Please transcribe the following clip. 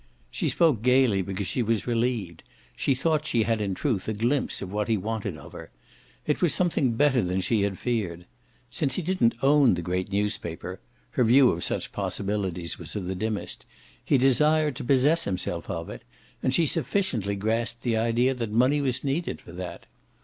She spoke gaily because she was relieved; she thought she had in truth a glimpse of what he wanted of her. It was something better than she had feared. Since he didn't own the great newspaper her view of such possibilities was of the dimmest he desired to possess himself of it, and she sufficiently grasped the idea that money was needed for that.